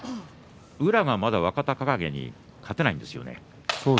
宇良が若隆景に勝てないんですよね。